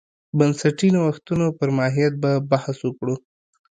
بنسټي نوښتونو پر ماهیت به بحث وکړو.